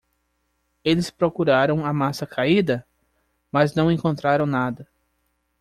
Eles procuraram a massa caída? mas não encontraram nada.